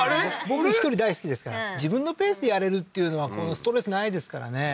僕１人大好きですから自分のペースでやれるっていうのはストレスないですからね